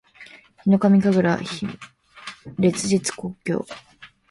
ヒノカミ神楽烈日紅鏡（ひのかみかぐられつじつこうきょう）